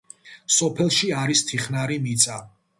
სოფელში არის თიხნარი მიწა.